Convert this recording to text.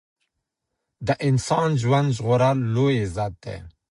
د انسان ژوند ژغورل لوی عزت دی.